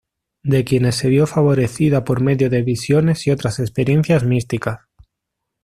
De quienes se vio favorecida por medio de visiones y otras experiencias místicas.